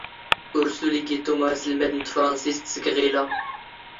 ⵓⵔ ⵙⵓⵍ ⵉⴳⵉ ⵜⵓⵎ ⴰⵙⵍⵎⴰⴷ ⵏ ⵜⴼⵕⴰⵏⵙⵉⵙⵜ ⵙⴳ ⵖⵉⵍⴰ.